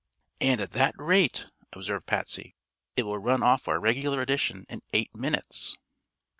"And at that rate," observed Patsy, "It will run off our regular edition in eight minutes."